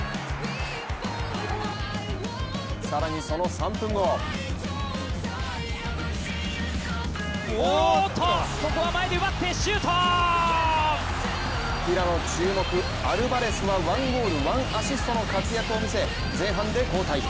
更にその３分後平野注目アルバレスが１ゴール１アシストの活躍を見せ前半で交代。